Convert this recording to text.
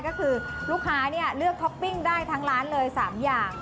ก็คือลูกค้าเลือกท็อปปิ้งได้ทั้งร้านเลย๓อย่าง